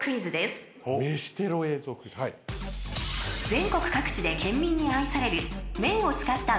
［全国各地で県民に愛される］